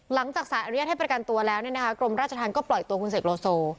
หลังจากสารอนุญาตให้ประกันตัวแล้วกรมราชธรรมก็ปล่อยตัวคุณเสกโลโซ